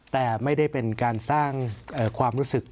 แต่ไม่ได้เป็นการสร้างความรู้สึก